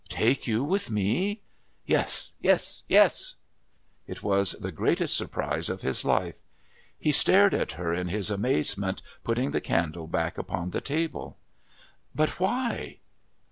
"Take you with me?" "Yes, yes, yes." It was the greatest surprise of his life. He stared at her in his amazement, putting the candle back upon the table. "But why?"